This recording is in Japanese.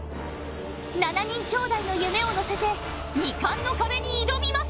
７人兄弟の夢を乗せて２冠の壁に挑みます。